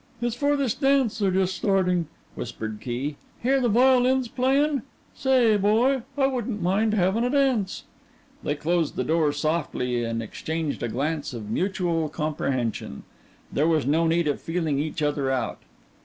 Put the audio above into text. "It's for this dance they're just starting," whispered Key; "hear the violins playin'? Say, boy, I wouldn't mind havin' a dance." They closed the door softly and exchanged a glance of mutual comprehension. There was no need of feeling each other out.